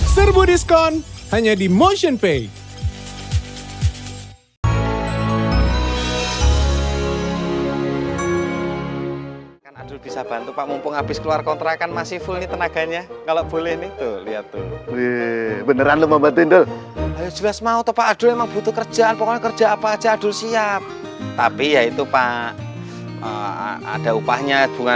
serbu diskon hanya di motionpay